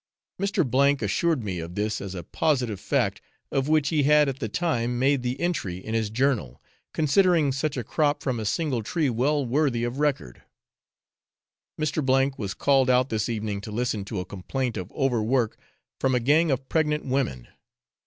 Mr. K assured me of this as a positive fact, of which he had at the time made the entry in his journal, considering such a crop from a single tree well worthy of record. Mr. was called out this evening to listen to a complaint of over work, from a gang of pregnant women.